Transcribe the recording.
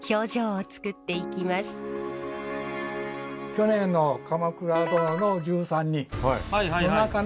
去年の「鎌倉殿の１３人」の中の何人かが。